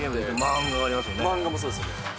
漫画もそうですよね。